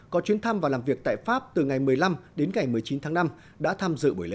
có chuyến thăm và làm việc tại pháp từ ngày một mươi năm đến ngày một mươi chín tháng năm đã tham dự buổi lễ